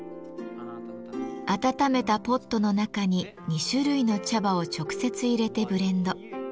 温めたポットの中に２種類の茶葉を直接入れてブレンド。